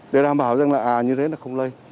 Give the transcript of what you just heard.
để đảm bảo rằng là à như thế là không lây